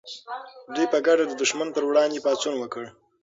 دوی په ګډه د دښمن پر وړاندې پاڅون وکړ.